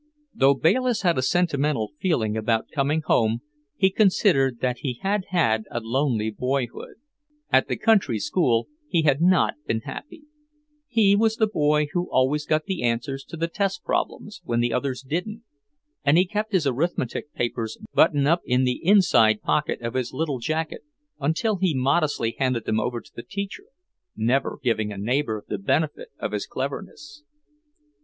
Though Bayliss had a sentimental feeling about coming home, he considered that he had had a lonely boyhood. At the country school he had not been happy; he was the boy who always got the answers to the test problems when the others didn't, and he kept his arithmetic papers buttoned up in the inside pocket of his little jacket until he modestly handed them to the teacher, never giving a neighbour the benefit of his cleverness.